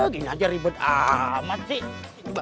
gini aja ribet amat sih